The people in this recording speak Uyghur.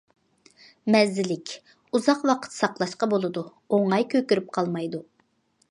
مەززىلىك، ئۇزاق ۋاقىت ساقلاشقا بولىدۇ، ئوڭاي كۆكىرىپ قالمايدۇ.